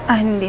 ah ini dia